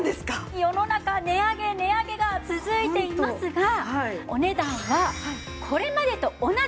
世の中値上げ値上げが続いていますがお値段はこれまでと同じ